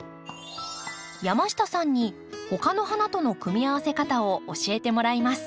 山下さんに他の花との組み合わせ方を教えてもらいます。